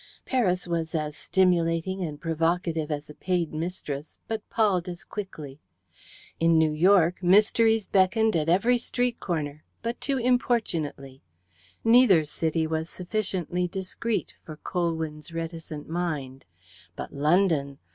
Paris was as stimulating and provocative as a paid mistress, but palled as quickly. In New York mysteries beckoned at every street corner, but too importunately. Neither city was sufficiently discreet for Colwyn's reticent mind. But London!